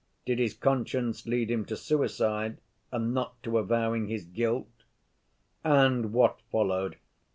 Did his conscience lead him to suicide and not to avowing his guilt? "And what followed?